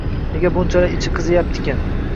Nega bunchalar ichi qiziyaptiykin